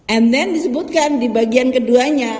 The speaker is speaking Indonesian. and then disebutkan di bagian keduanya